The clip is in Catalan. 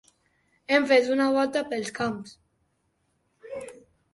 Hem fet una volta pels camps.